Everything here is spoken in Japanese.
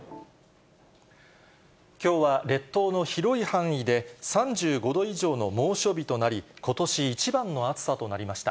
きょうは列島の広い範囲で３５度以上の猛暑日となり、ことし一番の暑さとなりました。